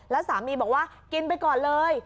แล้วสามีบอกว่ากินไปก่อนเลย